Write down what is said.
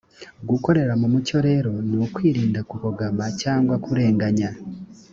gukorera mu mucyo rero ni ukwirinda kubogama cyangwa kurenganya